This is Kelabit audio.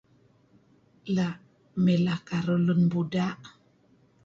La' mileh karuh Lun Buda'.